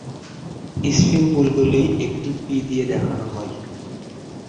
String পুলগুলি একটি "P" দিয়ে দেখানো হয়।